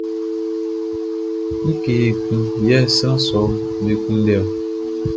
Ngue ekun yɛ sran sɔʼm be kunndɛ ɔ?